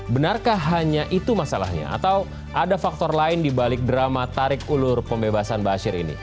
benarkah hanya itu masalahnya atau ada faktor lain di balik drama tarik ulur pembebasan ba'asyir ini